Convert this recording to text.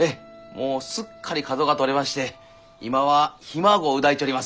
もうすっかり角が取れまして今はひ孫を抱いちょりますき。